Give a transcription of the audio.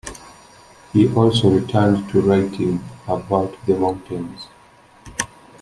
He also returned to writing about the mountains.